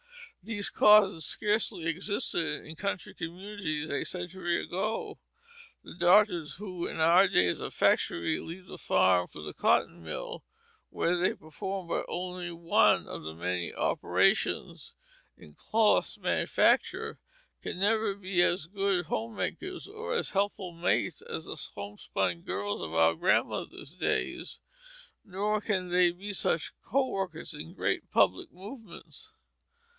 These causes scarcely existed in country communities a century ago. The daughters who in our days of factories leave the farm for the cotton mill, where they perform but one of the many operations in cloth manufacture, can never be as good home makers or as helpful mates as the homespun girls of our grandmothers' days; nor can they be such co workers in great public movements.